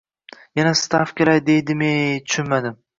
Yana stavkalar deydimiey, tushunmadim